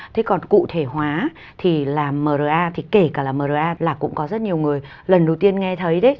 thế còn cụ thể hóa thì là mra thì kể cả là mra là cũng có rất nhiều người lần đầu tiên nghe thấy đấy